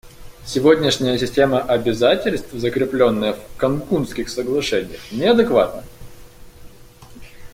Сегодняшняя система обязательств, закрепленная в Канкунских соглашениях, неадекватна.